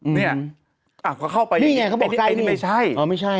นี่ไงเขาบอกไก่นี่